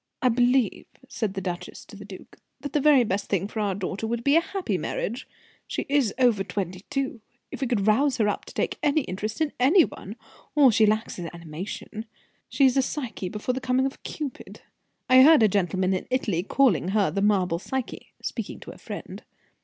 "I believe," said the duchess to the duke, "that the best thing for our daughter would be a happy marriage. She is over twenty two. If we could rouse her up to take any interest in any one all she lacks is animation. She is a Psyche before the coming of Cupid. I heard a gentleman in Italy calling her 'the marble Psyche,' speaking to a friend."